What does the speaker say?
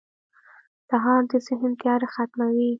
سهار د ذهن تیاره ختموي.